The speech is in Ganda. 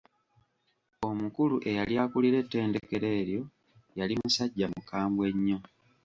Omukulu eyali akulira ettendekero eryo yali musajja mukambwe nnyo.